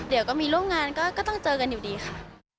เดี๋ยวก็มีร่วมงานก็ต้องเจอกันอยู่ดีค่ะ